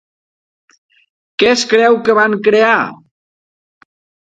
Què es creu que van crear?